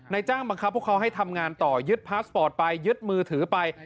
จ้างบังคับพวกเขาให้ทำงานต่อยึดพาสปอร์ตไปยึดมือถือไป